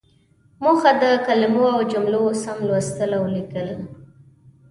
موخه: د کلمو او جملو سم لوستل او ليکل.